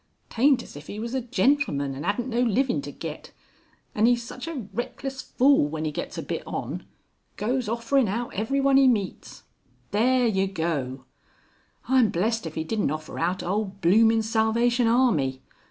"Taint as if 'e was a gentleman and 'adnt no livin' to get. An' 'e's such a reckless fool when 'e gets a bit on. Goes offerin out everyone 'e meets. (There you go!) I'm blessed if 'e didn't offer out a 'ole bloomin' Salvation Army.